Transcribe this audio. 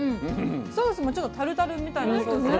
ソースもちょっとタルタルみたいなソースで。